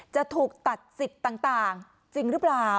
จะถูกตัดสิทธิ์ต่างจริงหรือเปล่า